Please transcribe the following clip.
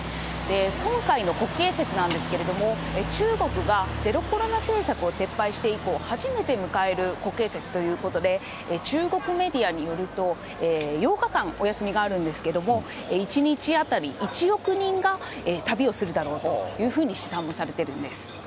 今回の国慶節なんですけれども、中国がゼロコロナ政策を撤廃して以降、初めて迎える国慶節ということで、中国メディアによると、８日間お休みがあるんですけれども、１日当たり１億人が旅をするだろうというふうに試算もされているんです。